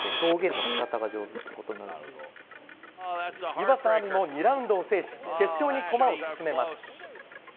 湯浅亜美も２ラウンドを制し決勝に駒を進めます。